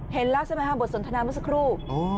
เห็นล่ะใช่ไหมฮะบทสนทนามสักรูป